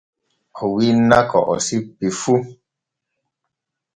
O winna ko o sippi fu.